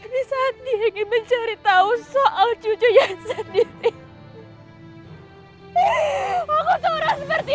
di saat dia ingin mencari tahu soal cucunya sendiri